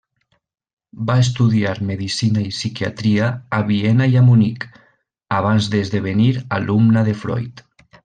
Va estudiar medicina i psiquiatria a Viena i a Munic, abans d'esdevenir alumna de Freud.